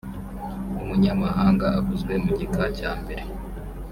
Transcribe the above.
umunyamahanga uvuzwe mu gika cya mbere